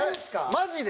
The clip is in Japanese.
マジで？